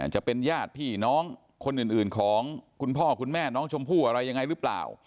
จะเป็นญาติพี่น้องคนอื่นของคุณพ่อคุณแม่น้องชมพู่อะไรยังไงหรือเปล่า